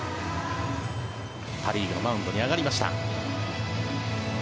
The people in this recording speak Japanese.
パ・リーグのマウンドに上がりました。